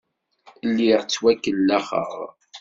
Lliɣ ttwakellaxeɣ.